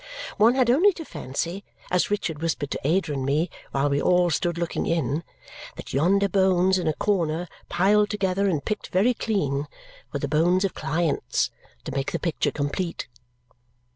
One had only to fancy, as Richard whispered to Ada and me while we all stood looking in, that yonder bones in a corner, piled together and picked very clean, were the bones of clients, to make the picture complete.